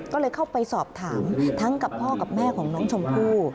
ก็เลยเข้าไปสอบถามทั้งกับพ่อกับแม่ของน้องชมพู่